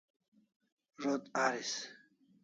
Zo't aris